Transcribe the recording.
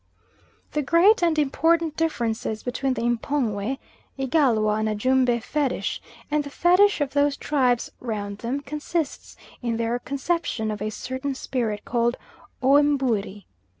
The great and important difference between the M'pongwe, Igalwa, and Ajumba fetish, and the Fetish of those tribes round them, consists in their conception of a certain spirit called O Mbuiri.